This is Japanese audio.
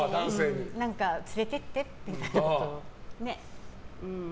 連れてってって。